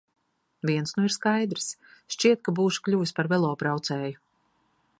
Viens nu ir skaidrs – šķiet, ka būšu kļuvis par velobraucēju.